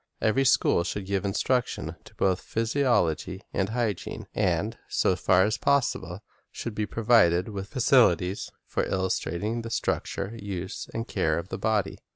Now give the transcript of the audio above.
Every school should give instruction in both physi ology and hygiene, and, so far as possible, should be provided with facilities for illustrating the structure, use, and care of the body.